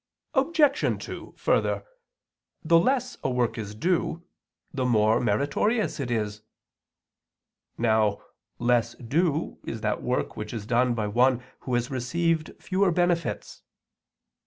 Obj. 2: Further, the less a work is due, the more meritorious it is. Now, less due is that work which is done by one who has received fewer benefits.